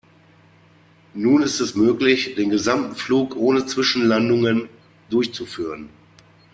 Nun ist es möglich, den gesamten Flug ohne Zwischenlandungen durchzuführen.